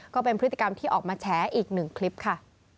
ก็เป็นพฤติกรรมที่ออกมาแฉอีกหนึ่งคลิปค่ะ